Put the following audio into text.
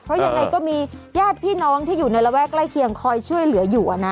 เพราะยังไงก็มีญาติพี่น้องที่อยู่ในระแวกใกล้เคียงคอยช่วยเหลืออยู่